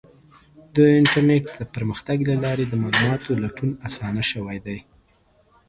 د انټرنیټ د پرمختګ له لارې د معلوماتو لټون اسانه شوی دی.